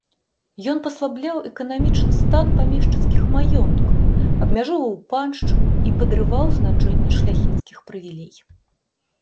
Ён паслабляў эканамічны стан памешчыцкіх маёнткаў, абмяжоўваў паншчыну і падрываў значэнне шляхецкіх прывілей.